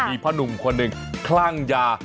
เพราะหนุ่มคนหนึ่งคลั่งยา